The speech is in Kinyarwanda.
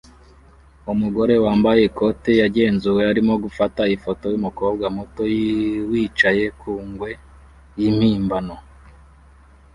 Umugore wambaye ikote yagenzuwe arimo gufata ifoto yumukobwa muto wicaye ku ngwe yimpimbano